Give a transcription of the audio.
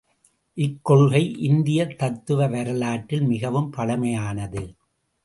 இக்கொள்கை இந்தியத் தத்துவ வரலாற்றில் மிகவும் பழமையானது.